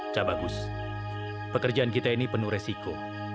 cabagus pekerjaan kita ini penuh resiko